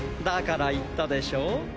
だから言ったでしょう？